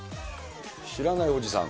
知らないおじさん。